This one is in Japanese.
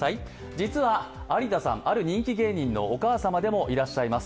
実は、有田さん、ある人気芸人のお母様でもいらっしゃいます。